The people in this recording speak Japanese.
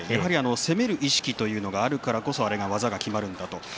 攻める意識があるからこそあの技がきまるんだと。